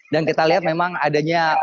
kita lihat memang adanya